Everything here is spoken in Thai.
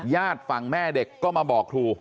ญาติฝั่งแม่เด็กก็มาบอกครู